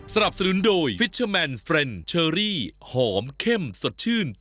เท่าอายุของตัวเองไปเลยจะได้ไม่ต้องพูดอะไรออกมาเอง